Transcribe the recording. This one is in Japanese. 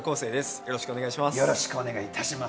よろしくお願いします。